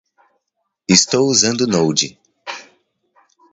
Estou usando Node.